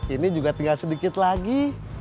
ini juga tinggal sedikit lagi